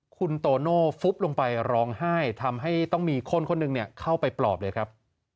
คุณโตโน่ฟุบลงไปร้องไห้ทำให้ต้องมีคนคนหนึ่งเข้าไปปลอบเลยครับ